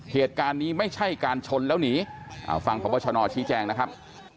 เหตุการณ์นี้ไม่ใช่การชนแล้วหนีฟังพบชนชี้แจงนะครับ